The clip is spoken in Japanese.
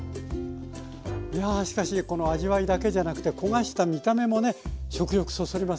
いやしかしこの味わいだけじゃなくて焦がした見た目もね食欲そそりますよね。